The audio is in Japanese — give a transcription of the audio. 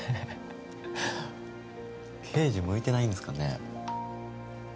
刑事向いてないんですかね